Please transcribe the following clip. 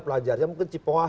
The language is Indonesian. pelajarnya mungkin cipoah